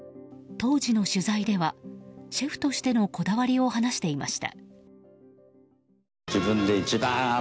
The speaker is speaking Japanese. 当時の取材ではシェフとしてのこだわりを話していました。